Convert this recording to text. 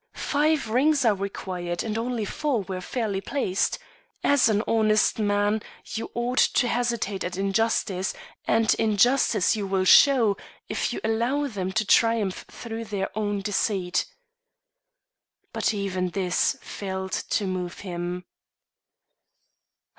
Five rings are required, and only four were fairly placed. As an honest man, you ought to hesitate at injustice, and injustice you will show if you allow them to triumph through their own deceit." But even this failed to move him.